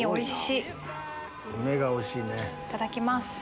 いただきます。